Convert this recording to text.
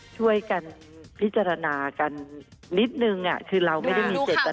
ช่วยกันพิจารณากันนิดนึงคือเราไม่ได้มีเจตนา